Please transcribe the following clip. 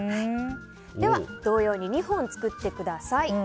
では同様に２本作ってください。